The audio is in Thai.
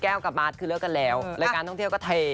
กับบาทคือเลิกกันแล้วรายการท่องเที่ยวก็เท